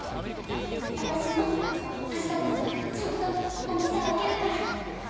私も明日こそはちゃんとお店を開けるから。